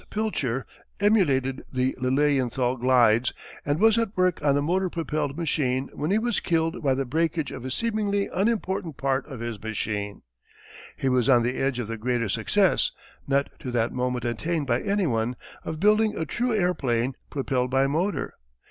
Pilcher emulated the Lilienthal glides, and was at work on a motor propelled machine when he was killed by the breakage of a seemingly unimportant part of his machine. He was on the edge of the greater success, not to that moment attained by anyone, of building a true airplane propelled by motor.